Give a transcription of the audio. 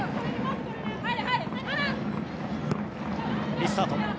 リスタート。